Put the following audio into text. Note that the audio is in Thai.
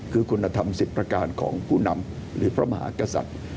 คือคุณธรรม๑๐ประการของผู้นำหรือพระมหากษัตริย์